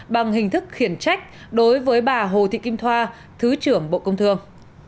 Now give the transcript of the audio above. bằng hình thức khiển trách đối với bà hồ thị kim thoa thứ trưởng bộ công thương